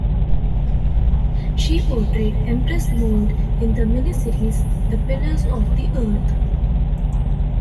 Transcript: She portrayed Empress Maud in the miniseries "The Pillars of the Earth".